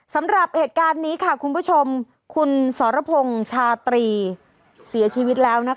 สำหรับเหตุการณ์นี้ค่ะคุณผู้ชมคุณสรพงศ์ชาตรีเสียชีวิตแล้ว